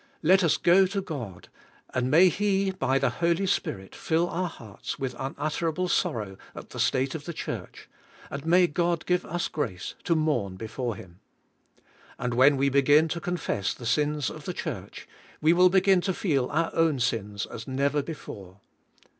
Let us go to God and may He by the Holy Spirit fill our hearts with unutterable sor row at the state of the church, and may God give us grace to mourn before Him. And when we begin to confess the sins of the church, we will begin to feel our own sins as never before.